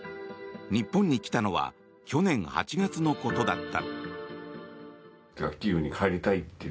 日本に来たのは去年８月のことだった。